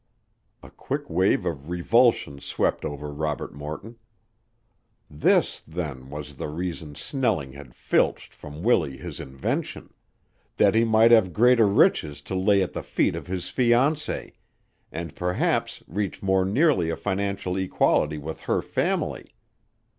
A quick wave of revulsion swept over Robert Morton. This, then, was the reason Snelling had filched from Willie his invention, that he might have greater riches to lay at the feet of his fiancée, and perhaps reach more nearly a financial equality with her family.